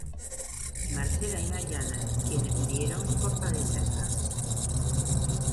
Marcela y Mariana quienes murieron por padecer cáncer.